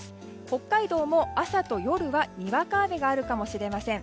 北海道も朝と夜はにわか雨があるかもしれません。